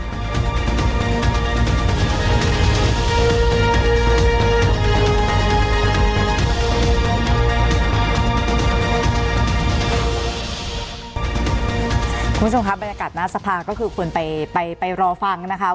คุณผู้ชมครับบรรยากาศหน้าสภาก็คือควรไปรอฟังนะคะ